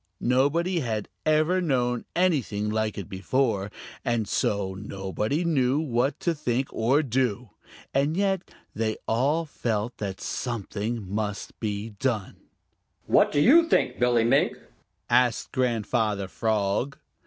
Nobody had ever known anything like it before, and so nobody knew what to think or do. And yet they all felt that something must be done. "What do you think, Billy Mink?" asked Grandfather Frog.